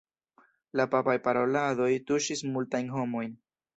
La papaj paroladoj tuŝis multajn homojn.